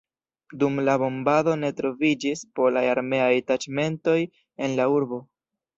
Dum la bombado ne troviĝis polaj armeaj taĉmentoj en la urbo.